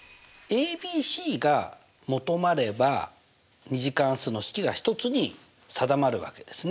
ｂｃが求まれば２次関数の式が１つに定まるわけですね。